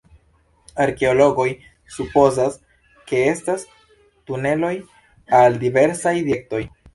Arkeologoj supozas, ke estas tuneloj al diversaj direktoj.